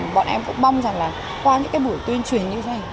bọn em cũng mong rằng qua những buổi tuyên truyền như thế này